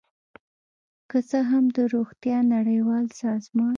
که څه هم د روغتیا نړیوال سازمان